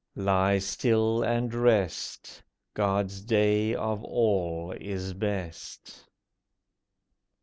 Lie still and rest— God's day of all is best.